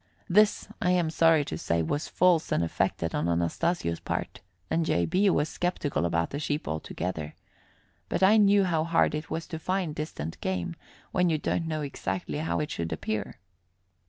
This, I am sorry to say, was false and affected on Anastasio's part, and J. B. was skeptical about the sheep altogether; but I knew how hard it was to find distant game, when you don't know exactly how it should appear.